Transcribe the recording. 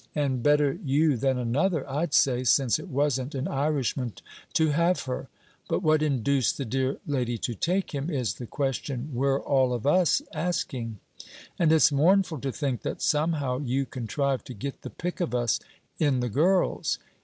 And better you than another, I'd say, since it wasn't an Irishman to have her: but what induced the dear lady to take him, is the question we 're all of us asking! And it's mournful to think that somehow you contrive to get the pick of us in the girls!